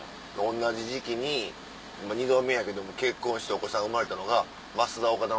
同じ時期に２度目やけども結婚してお子さん生まれたのが。